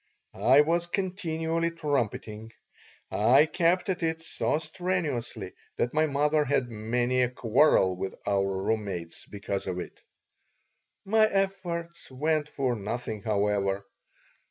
I was continually trumpeting. I kept at it so strenuously that my mother had many a quarrel with our room mates because of it My efforts went for nothing, however.